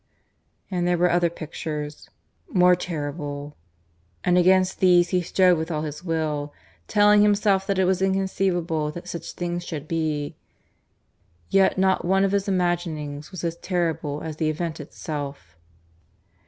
... And there were other pictures, more terrible; and against these he strove with all his will, telling himself that it was inconceivable that such things should be. Yet not one of his imaginings was as terrible as the event itself.